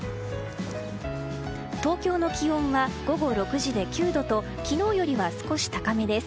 東京の気温は午後６時で９度と昨日よりは少し高めです。